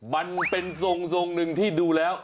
มันเป็นทรงหนึ่งที่ดูแล้ว